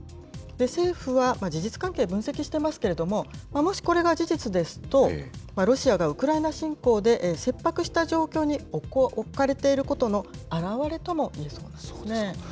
政府は、事実関係、分析してますけれども、もしこれが事実ですと、ロシアがウクライナ侵攻で、切迫した状況に置かれていることの現れともいえそうなんですね。